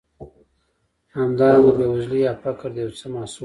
همدارنګه بېوزلي یا فقر د یو څه محصول دی.